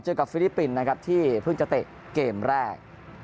เจอกับฟริกปินนะครับที่ผึ้งจะเตะเกมแรก